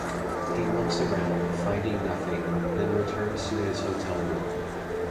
He looks around, finding nothing, then returns to his hotel room.